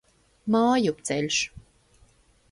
Mājupceļš.